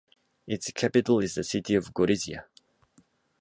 Its capital is the city of Gorizia.